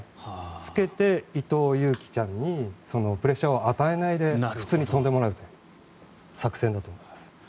つけて、伊藤有希ちゃんにプレッシャーを与えないで普通に飛んでもらうという作戦だと思います。